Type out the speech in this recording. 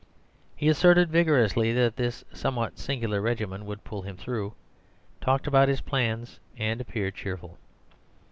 He asserted vigorously that this somewhat singular regimen would pull him through, talked about his plans, and appeared cheerful.